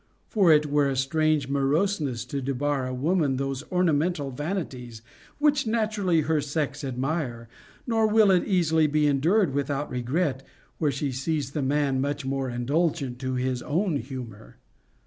For it were a strange moroseness to debar a woman those orna mental vanities which naturally her sex admire, nor will it easily be endured without regret, where she sees the man much more indulgent to his own humor.